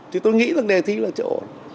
thì tôi nghĩ rằng đề thi là chỗ ổn